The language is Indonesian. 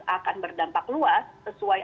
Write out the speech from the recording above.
akan berdampak luas sesuai